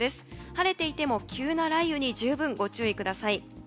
晴れていても急な雷雨に十分ご注意ください。